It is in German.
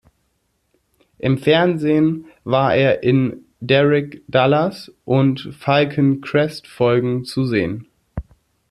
Im Fernsehen war er in "Derrick"-, "Dallas"- und "Falcon-Crest"-Folgen zu sehen.